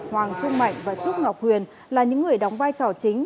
hoàng trung mạnh và trúc ngọc huyền là những người đóng vai trò chính